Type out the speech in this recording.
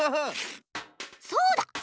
そうだ！